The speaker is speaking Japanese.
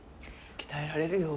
鍛えられるよ。